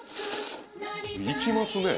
いきますね。